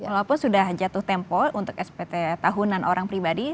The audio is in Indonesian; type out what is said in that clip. walaupun sudah jatuh tempo untuk spt tahunan orang pribadi